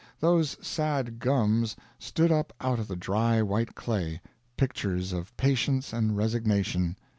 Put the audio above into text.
Those sad gums stood up out of the dry white clay, pictures of patience and resignation.